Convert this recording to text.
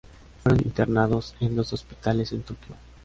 Fueron internados en dos hospitales en Tokio.